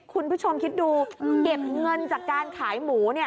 คุณผู้ชมคิดดูเก็บเงินจากการขายหมูเนี่ย